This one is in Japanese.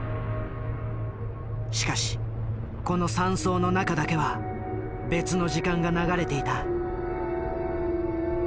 しかしこの山荘の中だけは別の時間が流れていた。